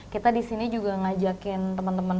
kita disini juga mengajak teman teman